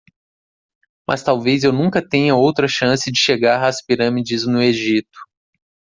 Mas talvez eu nunca tenha outra chance de chegar às pirâmides no Egito.